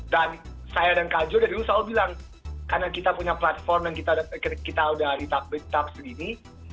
dan saya dan kak jo dari dulu selalu bilang karena kita punya platform dan kita udah di top top segini